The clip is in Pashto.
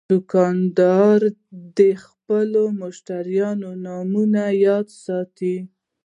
دوکاندار د خپلو مشتریانو نومونه یاد ساتي.